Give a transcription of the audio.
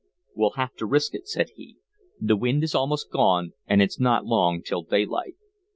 "We'll have to risk it," said he. "The wind is almost gone and it's not long till daylight."